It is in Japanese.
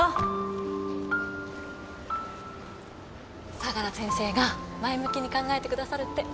相良先生が前向きに考えてくださるって。